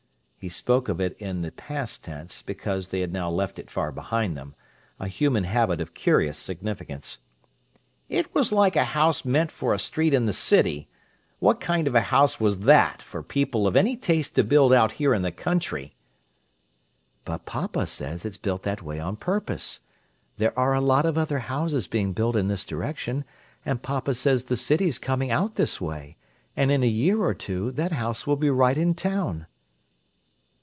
He spoke of it in the past tense, because they had now left it far behind them—a human habit of curious significance. "It was like a house meant for a street in the city. What kind of a house was that for people of any taste to build out here in the country?" "But papa says it's built that way on purpose. There are a lot of other houses being built in this direction, and papa says the city's coming out this way; and in a year or two that house will be right in town."